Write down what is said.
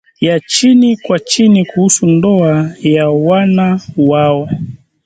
ya chini kwa chini kuhusu ndoa ya wana wao